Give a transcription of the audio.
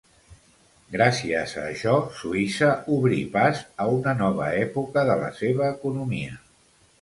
Gràcies a això Suïssa obrí pas a una nova època de la seva economia.